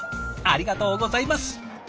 ありがとうございます。